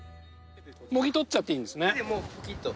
もぎ取っちゃっていいんですね？